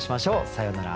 さようなら。